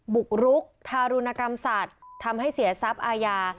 บุกรุกทารุณกรรมสัตว์ทำให้เสียทรัพย์อาญา